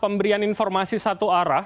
pemberian informasi satu arah